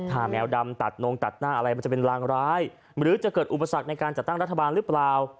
ถ้าแมวดำตัดนงตัดหน้าอะไรมันจะเป็นรางร้ายหรือจะเกิดอุปสรรคในการจัดตั้งรัฐบาลหรือเปล่า